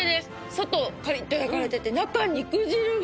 外はカリッと焼かれてて中肉汁が！